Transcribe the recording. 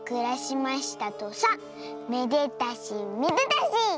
めでたしめでたし！」。